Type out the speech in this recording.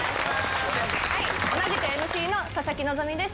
同じくＭＣの佐々木希です。